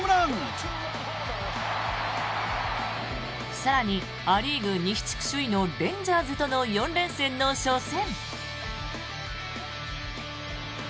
更に、ア・リーグ西地区首位のレンジャーズとの４連戦の初戦。